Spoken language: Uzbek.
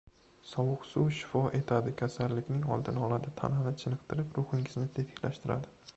Sovuq suv shifo etadi, kasallikning oldini oladi, tanani chiniqtirib, ruhingizni tetiklashtiradi.